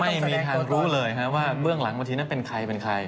ไม่มีทางรู้เลยว่าเบื้องหลังบางทีนั้นเป็นใครเป็นใคร